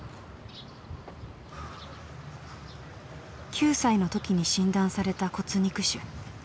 ９歳の時に診断された骨肉腫。